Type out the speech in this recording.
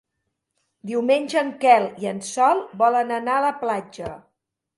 Diumenge en Quel i en Sol volen anar a la platja.